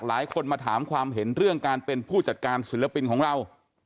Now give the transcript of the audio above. หลายคนมาถามความเห็นเรื่องการเป็นผู้จัดการศิลปินของเรา